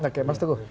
oke mas teguh